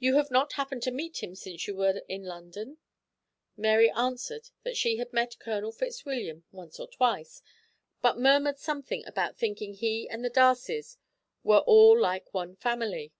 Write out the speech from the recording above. You have not happened to meet him since you were in London?" Mary answered that she had met Colonel Fitzwilliam once or twice, but murmured something about thinking he and the Darcys were all like one family.